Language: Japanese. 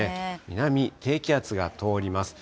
南、低気圧が通ります。